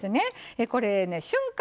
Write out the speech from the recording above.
これね瞬間